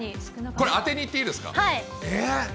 これ、当てにいっていいですか。